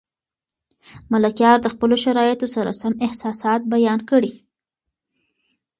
ملکیار د خپلو شرایطو سره سم احساسات بیان کړي.